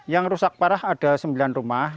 yang rusak parah ada sembilan rumah